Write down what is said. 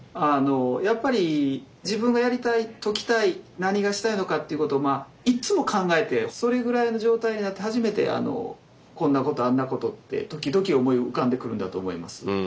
やっぱり自分がやりたい解きたい何がしたいのかということをいっつも考えてそれぐらいの状態になって初めてこんなことあんなことって時々思い浮かんでくるんだと思います。